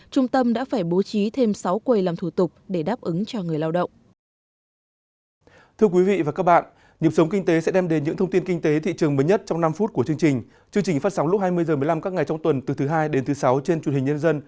trung tâm đã phải bố trí thêm sáu quầy làm thủ tục để đáp ứng cho người lao động